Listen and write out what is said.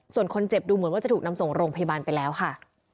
ส่วนคนเจ็บดูเหมือนว่าจะถูกนำส่งโรงพยาบาลไปแล้วค่ะ